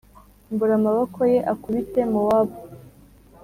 mbura amaboko ye akubite mowabu